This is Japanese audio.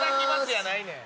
やないねん。